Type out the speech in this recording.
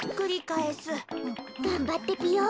がんばってぴよ！